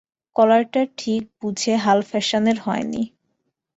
কলারটা বুঝি ঠিক হাল ফেশানের হয় নি!